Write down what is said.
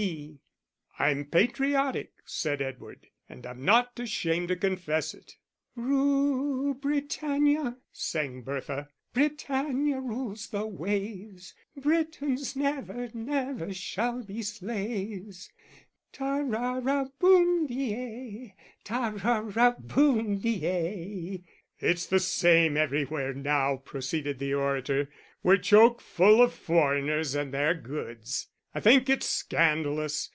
P." "I'm patriotic," said Edward, "and I'm not ashamed to confess it." "Rule Britannia," sang Bertha, "Britannia rules the waves, Britons never, never shall be slaves. Ta ra ra boom de ay! Ta ra ra boom de ay!" "It's the same everywhere now," proceeded the orator. "We're choke full of foreigners and their goods. I think it's scandalous.